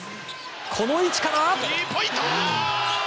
この位置から。